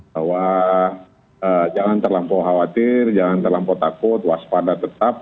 bahwa jangan terlampau khawatir jangan terlampau takut waspada tetap